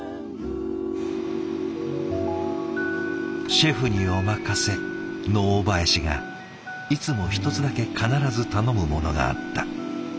シェフにお任せの大林がいつも一つだけ必ず頼むものがあった。